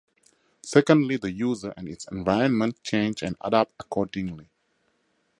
Secondly, the user and its environment change and adapt accordingly.